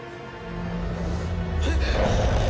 えっ！？